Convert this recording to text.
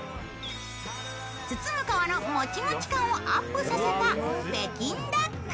包む皮のもちもち感をアップさせた北京ダック。